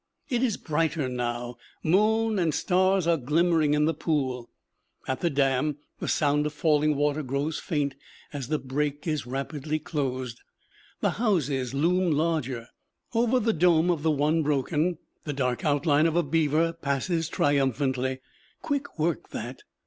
It is brighter now; moon and stars are glimmering in the pool. At the dam the sound of falling water grows faint as the break is rapidly closed. The houses loom larger. Over the dome of the one broken, the dark outline of a beaver passes triumphantly. Quick work that.